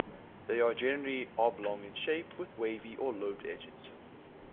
They are generally oblong in shape with wavy or lobed edges.